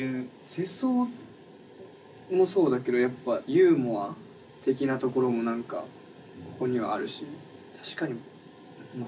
世相もそうだけどやっぱユーモア的なところも何かここにはあるし。